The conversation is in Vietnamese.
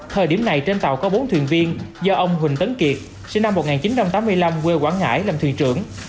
thời điểm này trên tàu có bốn thuyền viên do ông huỳnh tấn kiệt sinh năm một nghìn chín trăm tám mươi năm quê quảng ngãi làm thuyền trưởng